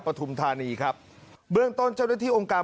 ประธุมธานีครับเบื้องต้นเจ้านิทิโรงการบริหารส่วน